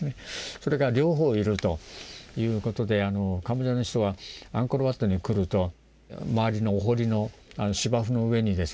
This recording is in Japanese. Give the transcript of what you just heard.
それが両方いるということでカンボジアの人はアンコール・ワットに来ると周りのお堀の芝生の上にですね